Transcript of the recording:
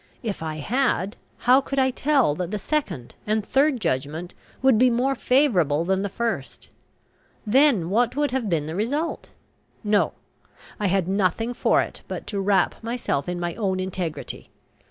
If I had, how could I tell that the second and third judgment would be more favourable than the first? Then what would have been the result? No; I had nothing for it but to wrap myself in my own integrity.